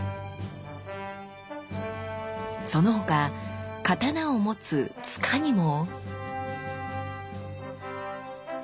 その他刀を持つ柄にも。